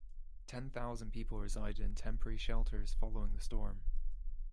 Ten thousand people resided in temporary shelters following the storm.